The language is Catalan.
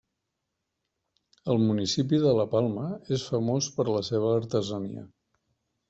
El municipi de La Palma és famós per la seva artesania.